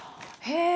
へえ。